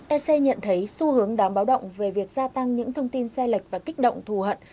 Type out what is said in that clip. ec nhận thấy xu hướng đáng báo động về việc gia tăng những thông tin sai lệch và kích động thù hận